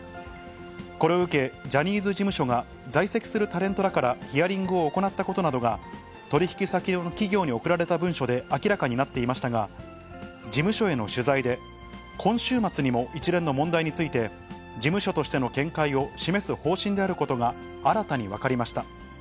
これを受け、ジャニーズ事務所が在籍するタレントらからヒアリングを行ったことなどが、取り引き先企業に送られた文書で明らかになっていましたが、事務所への取材で、今週末にも一連の問題について、事務所としての見解を示す方針であることが新たに分かりました。